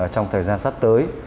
trong thời gian sắp tới